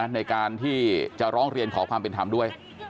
ในการที่จะร้องเรียนขอความเป็นธรรมด้วย